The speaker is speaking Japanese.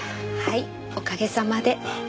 はいおかげさまで。